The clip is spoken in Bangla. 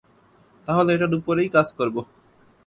তাহলে এটার উপরেই কাজ করবো।